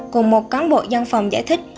cùng một cán bộ dân phòng giải thích